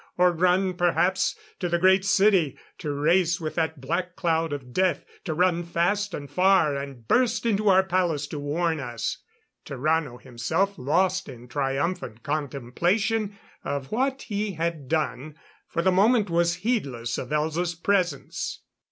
Or run perhaps, to the Great City; to race with that black cloud of death; to run fast and far, and burst into our palace to warn us. Tarrano himself lost in triumphant contemplation of what he had done, for the moment was heedless of Elza's presence.